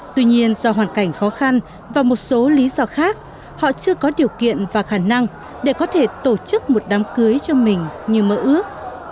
tuy nhiên do hoàn cảnh khó khăn và một số lý do khác họ chưa có điều kiện và khả năng để có thể tổ chức một đám cưới cho mình như mơ ước